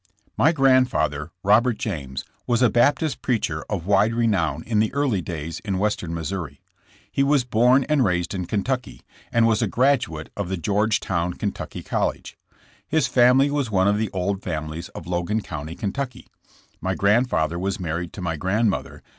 M Y grandfather, Robert James, was a Baptist preacher of wide renown in the early days in Western Missouri. He was born and raised in Kentucky, and was a graduate of the George town, Ky., college. His family was one of the old families of Logan County, Ky. My grandfather was married to my grandmother.